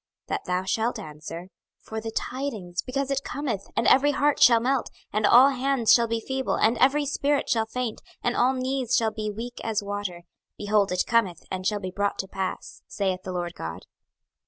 that thou shalt answer, For the tidings; because it cometh: and every heart shall melt, and all hands shall be feeble, and every spirit shall faint, and all knees shall be weak as water: behold, it cometh, and shall be brought to pass, saith the Lord GOD.